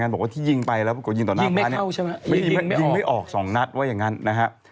บอกว่าที่ยิงไปแล้วยิงไม่ออก๒นัดว่าอย่างนั้นนะครับ